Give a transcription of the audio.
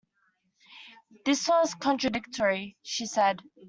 This was contradictory, she said.